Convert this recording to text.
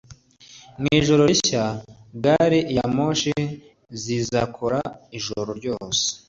Mu ijoro rishya, gari ya moshi zizakora ijoro ryose.